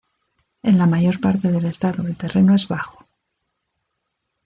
En la mayor parte del estado el terreno es bajo.